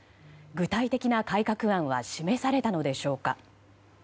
具体的な改革案は示されたのでしょうか。